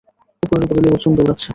কুকুরের বদলে অর্জুন দৌড়াচ্ছে!